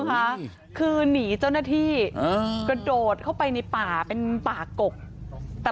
นะคะคือหนีเจ้าหน้าที่กระโดดเข้าไปในป่าเป็นป่ากกแต่